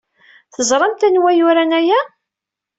Teẓramt anwa ay yuran aya?